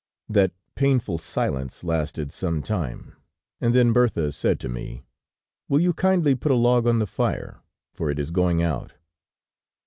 "That painful silence lasted some time, and then Bertha said to me: "'Will you kindly put a log on the fire, for it is going out.'